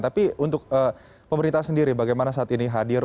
tapi untuk pemerintah sendiri bagaimana saat ini hadir